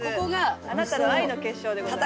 あなたの愛の結晶でございます。